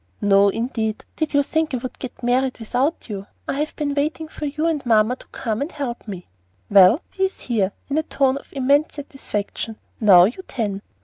"No, indeed. Did you think I would get 'mawwied' without you? I have been waiting for you and mamma to come and help me." "Well, we is here," in a tone of immense satisfaction. "Now you tan."